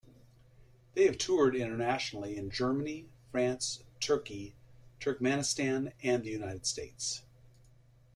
They have toured internationally in Germany, France, Turkey, Turkmenistan, and the United States.